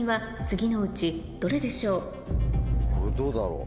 これどうだろう？